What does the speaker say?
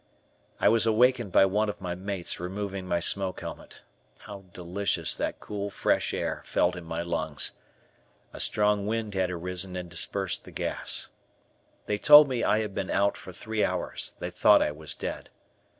I was awakened by one of my mates removing my smoke helmet. How delicious that cool, fresh air felt in my lungs. A strong wind had arisen and dispersed the gas. They told me that I had been "out" for three hours; they thought I was dead.